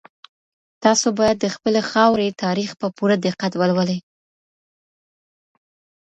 تاسو بايد د خپلي خاوري تاريخ په پوره دقت ولولئ.